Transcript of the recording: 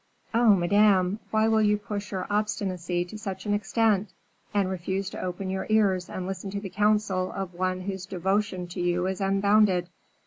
"Oh, Madame! why will you push your obstinacy to such an extent, and refuse to open your ears and listen to the counsel of one whose devotion to you is unbounded?